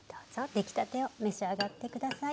出来たてを召し上がって下さい。